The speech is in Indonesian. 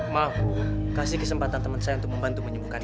ma kasih kesempatan teman saya untuk membantu menyembuhkannya